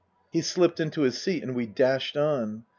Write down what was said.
He slipped into his seat and we dashed on.